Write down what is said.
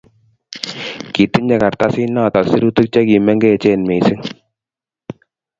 Kitinyei kartasinotok sirutiik chekimengechen missing.